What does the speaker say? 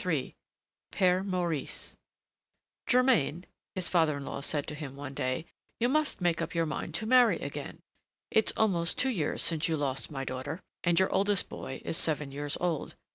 III PÈRE MAURICE "Germain," his father in law said to him one day, "you must make up your mind to marry again. It's almost two years since you lost my daughter, and your oldest boy is seven years old.